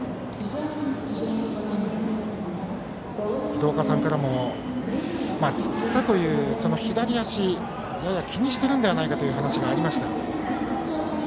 廣岡さんからもつったという左足をやや気にしているのではという話がありました。